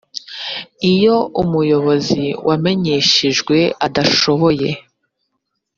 iyo umuyobozi wamenyeshejwe adashoboye